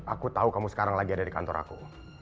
aku tahu kamu sekarang lagi ada di kantor aku